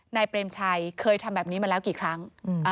เปรมชัยเคยทำแบบนี้มาแล้วกี่ครั้ง